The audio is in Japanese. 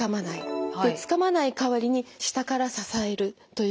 でつかまない代わりに下から支えるということ。